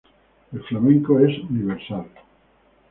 El flamenco es universal.